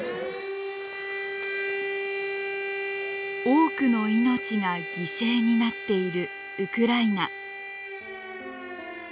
多くの命が犠牲になっているウクライナ。